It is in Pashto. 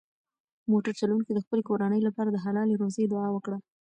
موټر چلونکي د خپلې کورنۍ لپاره د حلالې روزۍ دعا وکړه.